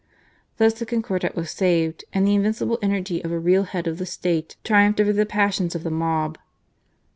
Thus the Concordat was saved ; and the invincible energy of a real head of the State triumphed over the passions of the mob.